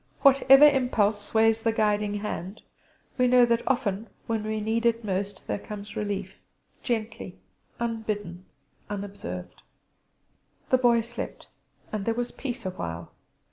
Whatever impulse sways the guiding hand, we know that often when we need it most there comes relief; gently, unbidden, unobserved. The Boy slept, and there was peace awhile.